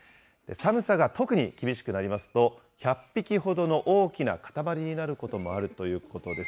寒さが特に厳しくなりますと、１００匹ほどの大きなかたまりになることもあるということです。